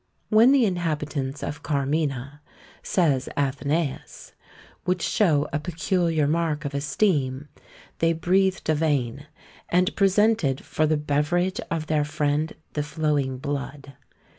When the inhabitants of Carmena (says AthenÃḊus) would show a peculiar mark of esteem, they breathed a vein, and presented for the beverage of their friend the flowing blood.